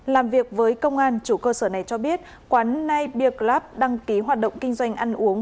làm việc với công an chủ cơ sở này cho biết quán nai bia club đăng ký hoạt động kinh doanh ăn uống